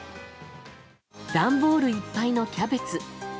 段ボールいっぱいのキャベツ。